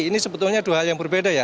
ini sebetulnya dua hal yang berbeda ya